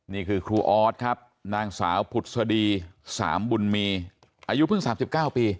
นี่คือครูออสครับนางสาวผุดสดีสามบุญมีอายุเพิ่ง๓๙ปี